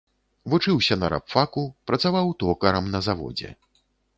Вучыўся на рабфаку, працаваў токарам на заводзе.